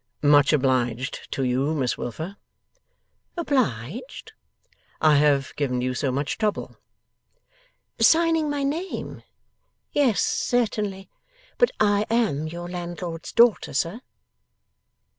'Much obliged to you, Miss Wilfer.' 'Obliged?' 'I have given you so much trouble.' 'Signing my name? Yes, certainly. But I am your landlord's daughter, sir.